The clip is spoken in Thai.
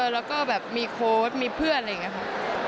แล้วก็แบบมีโค้ดมีเพื่อนอะไรอย่างนี้ค่ะ